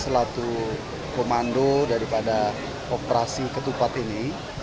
selaku komando daripada operasi ketupat ini